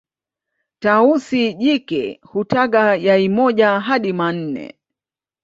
tausi jike hutaga yai moja hadi manne